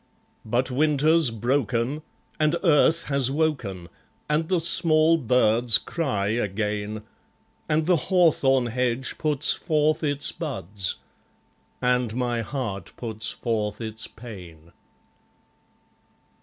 But Winter's broken and earth has woken, And the small birds cry again; And the hawthorn hedge puts forth its buds, And my heart puts forth its pain.